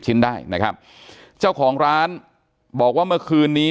ชิ้นได้นะครับเจ้าของร้านบอกว่าเมื่อคืนนี้